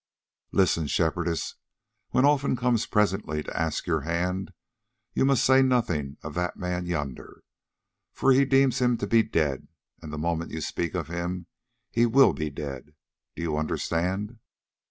Listen, Shepherdess; when Olfan comes presently to ask your hand, you must say nothing of that man yonder, for he deems him to be dead, and the moment you speak of him he will be dead. Do you understand?"